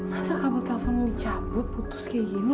masa kabel telponnya dicabut putus kayak gini